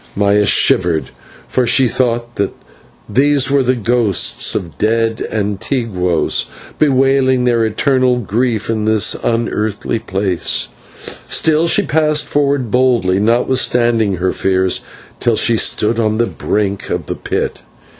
Myra shivered, for she thought that these were the ghosts of dead /antiguos/ bewailing their eternal griefs in this unearthly place, but she pressed forward boldly, notwithstanding her fears, till she stood on the brink of the pit.